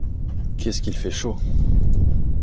Qu’est-ce qu’il fait chaud !